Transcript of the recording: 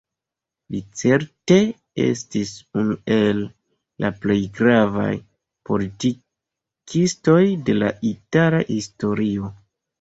Li certe estis unu el la plej gravaj politikistoj de la itala historio.